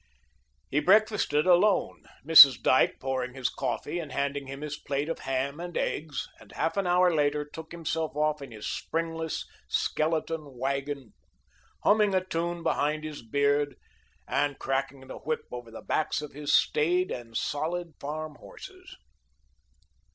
He breakfasted alone, Mrs. Dyke pouring his coffee and handing him his plate of ham and eggs, and half an hour later took himself off in his springless, skeleton wagon, humming a tune behind his beard and cracking the whip over the backs of his staid and solid farm horses.